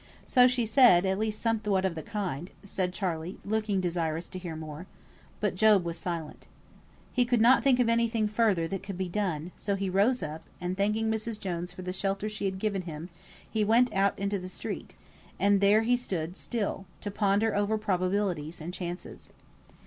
"So she said; at least somewhat of the kind," said Charley, looking desirous to hear more. But Job was silent. He could not think of any thing further that could be done; so he rose up, and, thanking Mrs. Jones for the shelter she had given him, he went out into the street; and there he stood still, to ponder over probabilities and chances.